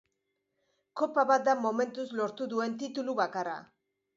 Kopa bat da momentuz lortu duen titulu bakarra.